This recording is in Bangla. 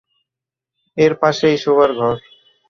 এর পাশেই শোবার ঘর।